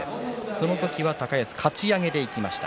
その時は高安かち上げでいきました。